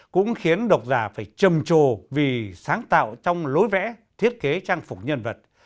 cũng khiến độc giả phải trầm trồ vì sáng tạo trong lối vẽ thiết kế trang phục nhân vật